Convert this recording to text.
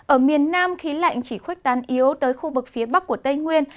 ở miền nam khí lạnh chỉ khuếch tán yếu tới khu vực phía bắc của tây nguyên